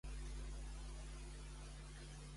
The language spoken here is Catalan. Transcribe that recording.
Què s'ha afirmat des de JxCat amb relació a aquesta?